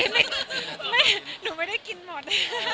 แม่หนูไม่ได้กินหมด